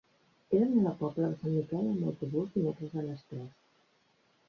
He d'anar a la Pobla de Sant Miquel amb autobús dimecres a les tres.